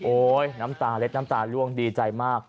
น้ำตาเล็ดน้ำตาล่วงดีใจมาก